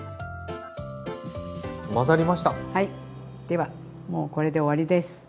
ではもうこれで終わりです。